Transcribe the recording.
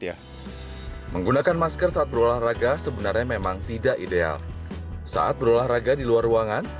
ya menggunakan masker saat berolahraga sebenarnya memang tidak ideal saat berolahraga di luar ruangan